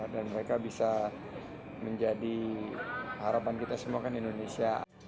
dan mereka bisa menjadi harapan kita semua kan indonesia